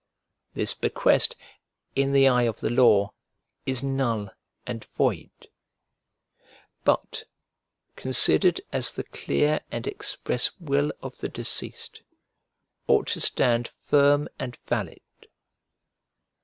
This bequest, in the eye of the law, is null and void, but, considered as the clear and express will of the deceased, ought to stand firm and valid.